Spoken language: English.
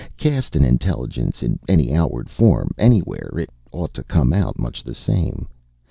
Cast an intelligence in any outward form, anywhere, it ought to come out much the same.